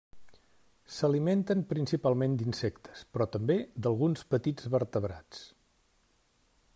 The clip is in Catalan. S'alimenten principalment d'insectes, però també d'alguns petits vertebrats.